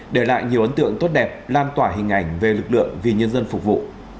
để lại nhiều ấn tượng tốt đẹp lan tỏa hình ảnh về lực lượng vì nhân dân phục vụ